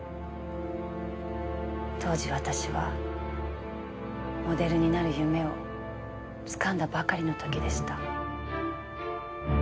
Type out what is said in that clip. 当時私はモデルになる夢をつかんだばかりの時でした。